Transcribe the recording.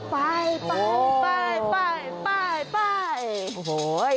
ไปไปไปไปไปไป